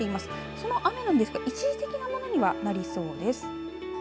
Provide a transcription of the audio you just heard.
その雨なんですが一時的なものにはなりそうです。